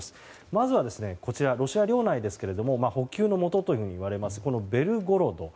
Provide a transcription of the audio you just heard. まずはロシア領内ですけど補給のもとといわれますベルゴロド。